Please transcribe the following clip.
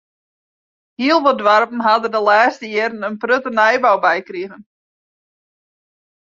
Hiel wat doarpen ha der de lêste jierren in protte nijbou by krige.